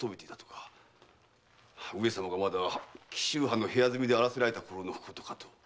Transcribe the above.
上様がまだ紀州藩の部屋住みであらせられたころのことかと。